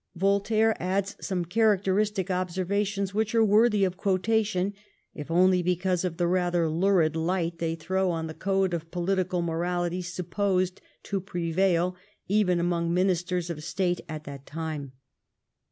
Voltaire adds some characteristic observa tions which are worthy of quotation, if only because of the rather lurid light they throw on the code of political morality supposed to prevail even among Ministers of State at that time.